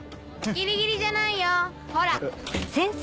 ギリギリじゃないよほら。